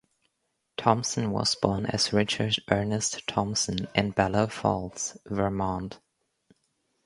Thompson was born as Richard Ernest Thompson in Bellows Falls, Vermont.